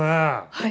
はい。